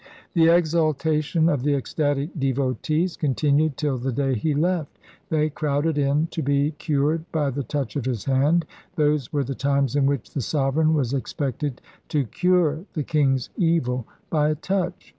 The exaltation of the ecstatic devotees con tinued till the day he left. They crowded in to be cured by the touch of his hand — those were the times in which the sovereign was expected to cure the King's Evil by a touch.